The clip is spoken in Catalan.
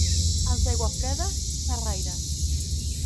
Els d'Aiguafreda, xerraires.